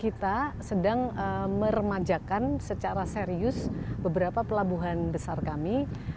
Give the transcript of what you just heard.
kita sedang meremajakan secara serius beberapa pelabuhan besar kami